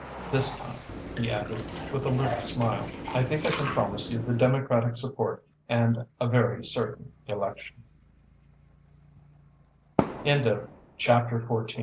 This time," he added, with a little smile, "I think I can promise you the Democratic support and a very certain ele